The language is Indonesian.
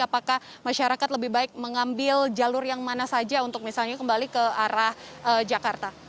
apakah masyarakat lebih baik mengambil jalur yang mana saja untuk misalnya kembali ke arah jakarta